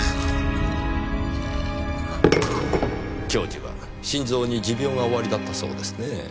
教授は心臓に持病がおありだったそうですねぇ。